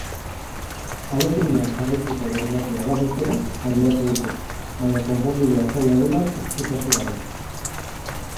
Ahaleginean jarraitzeko borondatea badutela gaineratu dute, baina konponbidea zaila dela ezkutatu gabe.